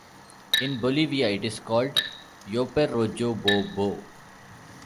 In Bolivia it is called "Yoperojobobo".